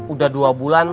udah dua bulan